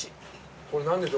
これ何でしょう。